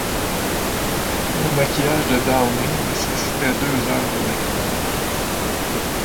Le maquillage de Downey nécessitait deux heures de maquillage.